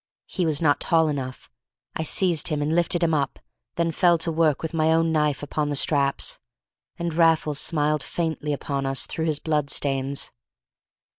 He was not tall enough, I seized him and lifted him up, then fell to work with my own knife upon the straps. And Raffles smiled faintly upon us through his blood stains.